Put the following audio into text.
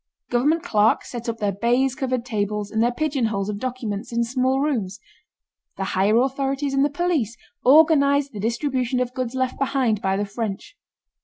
Government clerks set up their baize covered tables and their pigeonholes of documents in small rooms. The higher authorities and the police organized the distribution of goods left behind by the French.